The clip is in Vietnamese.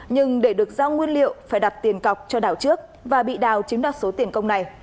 nhưng để được giao nguyên liệu phải đặt tiền cọc cho đào trước và bị đào chiếm đoạt số tiền công này